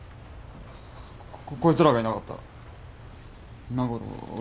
ここいつらがいなかったら今ごろ俺。